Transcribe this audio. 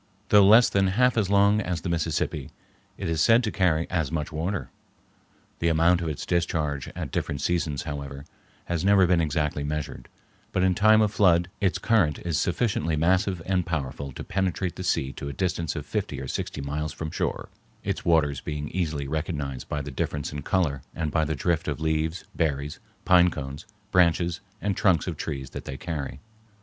Though less than half as long as the Mississippi, it is said to carry as much water. The amount of its discharge at different seasons, however, has never been exactly measured, but in time of flood its current is sufficiently massive and powerful to penetrate the sea to a distance of fifty or sixty miles from shore, its waters being easily recognized by the difference in color and by the drift of leaves, berries, pine cones, branches, and trunks of trees that they carry.